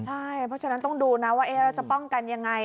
ใช่เพราะฉะนั้นต้องดูนะว่าเราจะป้องกันยังไง